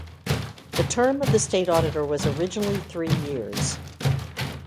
The term of the State Auditor was originally three years.